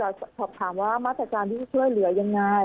แล้วก็จะสอบถามว่ามาสตราจารย์ที่ช่วยเหลือยังไง